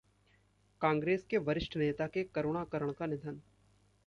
कांग्रेस के वरिष्ठ नेता के करुणाकरण का निधन